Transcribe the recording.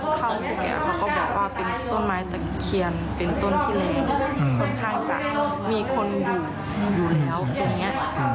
เพราะว่าต้นไม้ตะเคียนเป็นต้นที่แรงค่อนข้างจะมีคนดูแล้วตัวเนี่ย